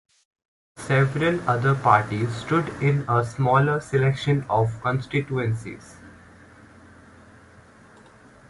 Several other parties stood in a smaller selection of constituencies.